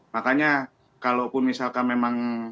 makanya kalaupun misalkan memang